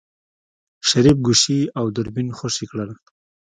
شريف ګوشي او دوربين خوشې کړل.